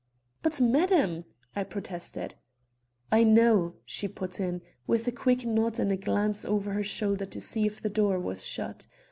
"But, madam " I protested. "I know," she put in, with a quick nod and a glance over her shoulder to see if the door was shut.